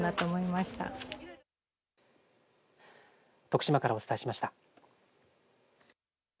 徳島からお伝えしました。